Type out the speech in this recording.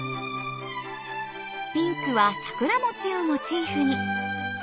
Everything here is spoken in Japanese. ピンクは桜餅をモチーフに。